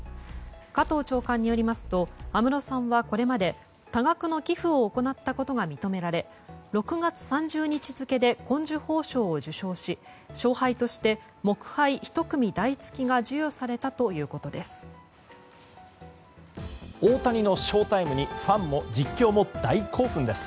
加藤長官によりますと安室さんはこれまで多額の寄付を行ったことが認められ６月３０日付で紺綬褒章を受章し賞杯として木杯一組台付が授与されたということです。